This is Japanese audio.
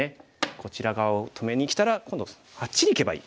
こちら側を止めにきたら今度あっちにいけばいい。